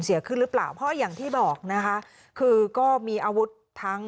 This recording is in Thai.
เสียขึ้นหรือเปล่าเพราะอย่างที่บอกนะคะคือก็มีอาวุธทั้ง